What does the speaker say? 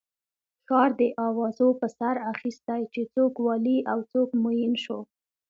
ښار د اوازو پر سر اخستی چې څوک والي او څوک معین شو.